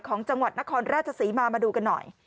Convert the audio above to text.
ของจังหวัดนครราชศรีมามาดูกันหน่อย